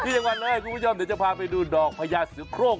ที่จังหวัดนะครับคุณผู้ชมเดี๋ยวจะพาไปดูดอกพญาสุโครง